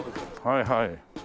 はいはい。